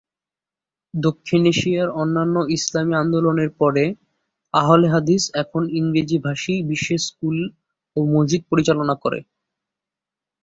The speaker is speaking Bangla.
দক্ষিণ এশিয়ার অন্যান্য ইসলামী আন্দোলনের পরে, আহলে হাদীস এখন ইংরেজি-ভাষী বিশ্বে স্কুল ও মসজিদ পরিচালনা করে।